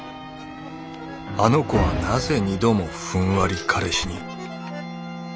あの子はなぜ二度もふんわり彼氏に。